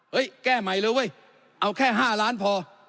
แก้ใหม่เลยเว้ยเอาแค่๕ล้านพอ